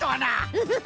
フフフ。